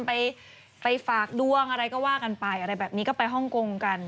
ไปไปฝากดวงอะไรก็ว่ากันไปอะไรแบบนี้ก็ไปฮ่องกงกัน